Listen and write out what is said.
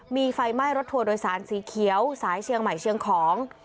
มีไฟไหม้รถทัวร์โดยสารสีเขียวสายเชียงใหม่เชียงของ